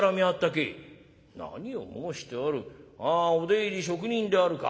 お出入り職人であるか？